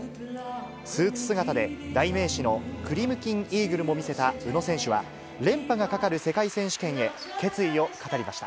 スーツ姿で代名詞のクリムキンイーグルも見せた宇野選手は、連覇がかかる世界選手権へ、決意を語りました。